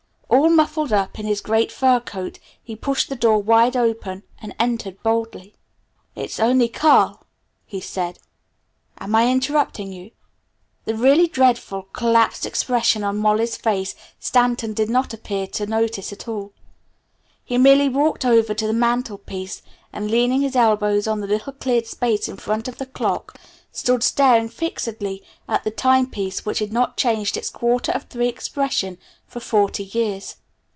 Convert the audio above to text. All muffled up in his great fur coat he pushed the door wide open and entered boldly. "It's only Carl," he said. "Am I interrupting you?" The really dreadful collapsed expression on Molly's face Stanton did not appear to notice at all. He merely walked over to the mantelpiece, and leaning his elbows on the little cleared space in front of the clock, stood staring fixedly at the time piece which had not changed its quarter of three expression for forty years.